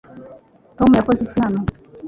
tom yakoze iki hano